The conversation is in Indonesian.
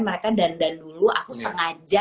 mereka dandan dulu aku sengaja